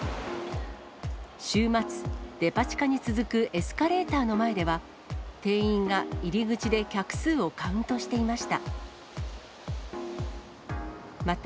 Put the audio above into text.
週末、デパ地下に続くエスカレーターの前では、店員が入り口で客数をカウントしていました。